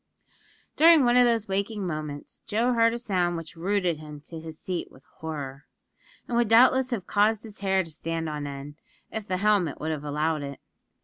During one of those waking moments, Joe heard a sound which rooted him to his seat with horror; and would doubtless have caused his hair to stand on end, if the helmet would have allowed it.